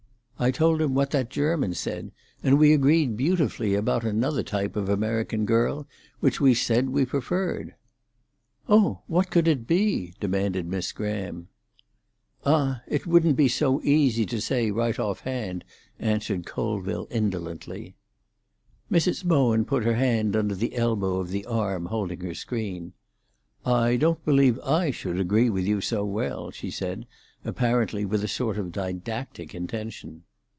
I told him what that German said, and we agreed beautifully about another type of American girl which we said we preferred." "Oh! What could it be?" demanded Miss Graham. "Ah, it wouldn't be so easy to say right off hand," answered Colville indolently. Mrs. Bowen put her hand under the elbow of the arm holding her screen. "I don't believe I should agree with you so well," she said, apparently with a sort of didactic intention.